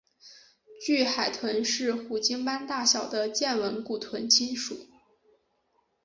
巨海豚是虎鲸般大小的剑吻古豚亲属。